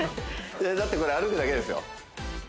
だってこれ歩くだけですよ